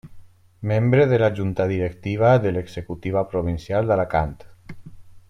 Membre de la junta directiva de l'executiva provincial d'Alacant.